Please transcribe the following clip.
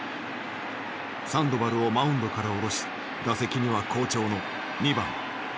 サンドバルをマウンドから降ろし打席には好調の２番近藤。